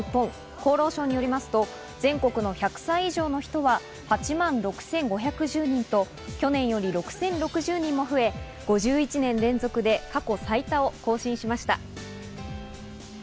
厚労省によりますと全国の１００歳以上の人は８万６５１０人と、去年より６０６０人も増え５１年連続で過去最多を更新しました。